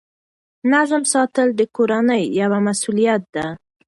نظم ساتل د کورنۍ یوه مسؤلیت ده.